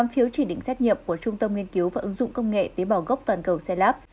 tám phiếu chỉ định xét nghiệm của trung tâm nghiên cứu và ứng dụng công nghệ tế bào gốc toàn cầu xe lab